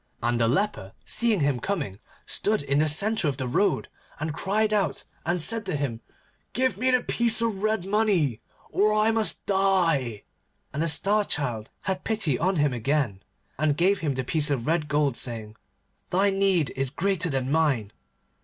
And the leper seeing him coming, stood in the centre of the road, and cried out, and said to him, 'Give me the piece of red money, or I must die,' and the Star Child had pity on him again, and gave him the piece of red gold, saying, 'Thy need is greater than mine.